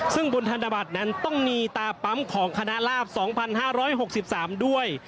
ซึ่งบนธนบัตรนั้นต้องมีตาปั๊มของคณะลาบ๒๕๖๓ด้วย